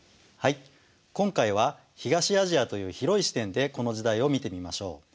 今回は東アジアという広い視点でこの時代を見てみましょう。